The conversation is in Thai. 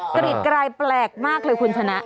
กรีดกลายแปลกมากเลยคุณชนะ